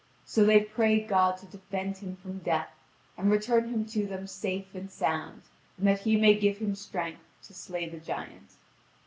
So they pray God to defend him from death, and return him to them safe and sound, and that He may give him strength to slay the giant.